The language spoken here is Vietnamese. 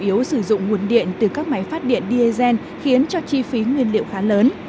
chủ yếu sử dụng nguồn điện từ các máy phát điện diesel khiến cho chi phí nguyên liệu khá lớn